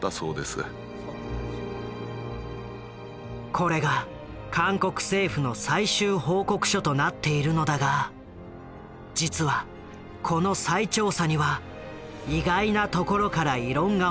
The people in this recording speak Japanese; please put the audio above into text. これが韓国政府の最終報告書となっているのだが実はこの再調査には意外なところから異論が持ち上がった。